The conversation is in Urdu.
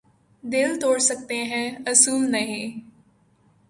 دل توڑ سکتے ہیں اصول نہیں